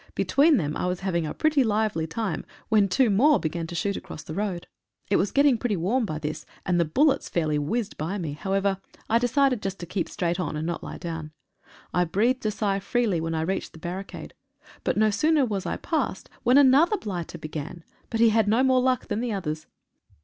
Between them I was hav ing a pretty lively time, when two more began to shoot across the road. It was getting pretty warm by this, and the bullets fairly whizzed by me. However, I decided just to keep straight on, and not lie down. I breathed a sigh freely when I reached the barricade, but no sooner was I past when another blighter began — but he had no more luck than the others.